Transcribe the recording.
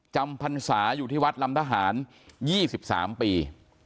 พรรษาอยู่ที่วัดลำทหาร๒๓ปี